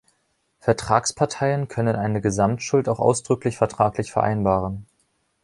Vertragsparteien können eine Gesamtschuld auch ausdrücklich vertraglich vereinbaren.